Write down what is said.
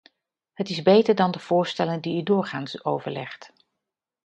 Het is beter dan de voorstellen die u doorgaans overlegt.